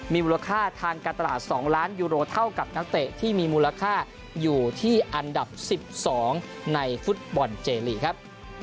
มีมูลค่าทางการตลาด๒ล้านยูโรเท่ากับนักเตะที่มีมูลค่าอยู่ที่อันดับ๑๒ในฟุตบอลเจลีกครับ